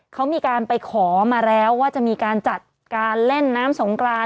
เขามีการไปขอมาแล้วว่าจะมีการจัดการเล่นน้ำสงกราน